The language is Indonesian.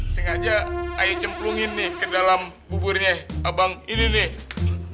sengaja ayo cemplungin nih ke dalam buburnya abang ini nih